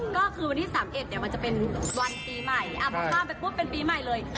ก็คือวันที่๓๑เนี่ยมันจะเป็นวันปีใหม่พอข้ามไปปุ๊บเป็นปีใหม่เลย